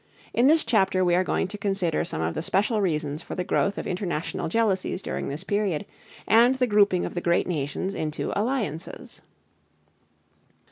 In this chapter we are going to consider some of the special reasons for the growth of international jealousies during this period, and the grouping of the great nations into alliances.